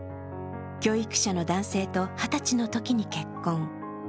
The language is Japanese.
教育者の男性と二十歳のときに結婚。